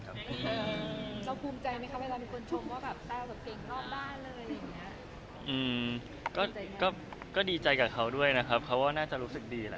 อือก็ดีใจกับเขาด้วยนะครับเขาว่าน่าจะรู้สึกดี